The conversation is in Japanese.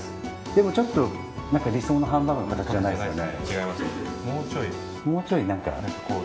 でも、ちょっと理想のハンバーグの形じゃないですもんね。